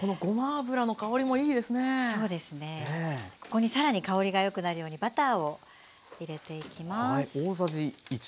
ここに更に香りがよくなるようにバターを入れていきます。